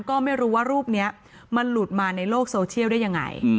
ก็ไม่รู้ว่ารูปนี้มันหลุดมาในโลกโซเชียลได้ยังไง